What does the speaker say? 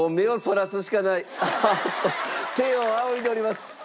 あっと天を仰いでおります。